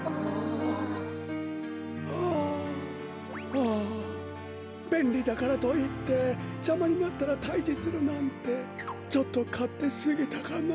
ああべんりだからといってじゃまになったらたいじするなんてちょっとかってすぎたかな。